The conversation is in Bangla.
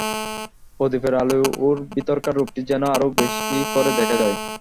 প্রদীপের আলোয় ওর ভিতরকার রূপটি যেন আরো বেশি করে দেখা যায়।